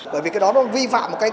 bởi vì cái đó nó vi phạm